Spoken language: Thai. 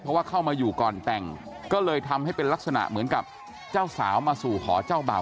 เพราะว่าเข้ามาอยู่ก่อนแต่งก็เลยทำให้เป็นลักษณะเหมือนกับเจ้าสาวมาสู่ขอเจ้าบ่าว